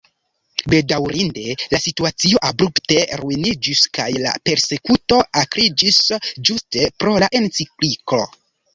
Bedaŭrinde la situacio abrupte ruiniĝis kaj la persekuto akriĝis ĝuste pro la encikliko.